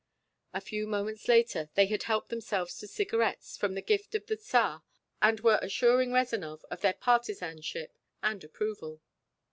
A few moments later they had helped themselves to cigarettes from the gift of the Tsar and were assuring Rezanov of their partisanship and approval.